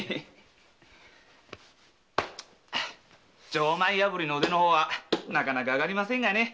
錠前破りの腕はなかなかあがりませんがね。